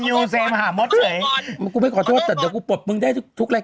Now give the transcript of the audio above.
ผู้ชายไหมอ่ะไม่นะเมื่อคืนแจ๊คลงโพสต์เป็นทำไมเมื่อคืนนี้ไอซีอ่ะนี่พี่ชาว